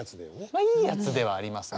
まあいいやつではありますね。